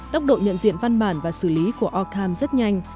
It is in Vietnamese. tốc độ nhận diện văn bản và xử lý của orcam rất nhanh